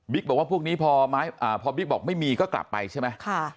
บิ๊กบอกว่าพวกนี้พอไม้บอกไม่มีก็กลับไปใช่มะค่ะ